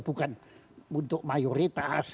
bukan untuk mayoritas